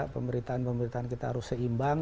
pemberitaan pemberitaan kita harus seimbang